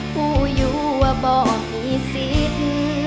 ผู้อยู่ว่าบ่มีสิทธิ์